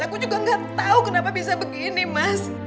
aku juga gak tahu kenapa bisa begini mas